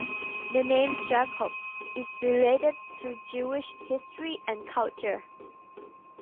The name "Jacob" is related to Jewish history and culture.